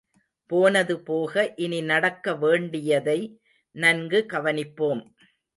போனது போக இனி நடக்க வேண்டியதை நன்கு கவனிப்போம்.